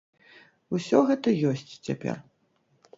Усё гэта ёсць цяпер.